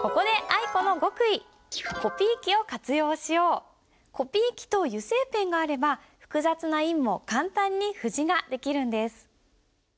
ここでコピー機と油性ペンがあれば複雑な印も簡単に布字ができるんです。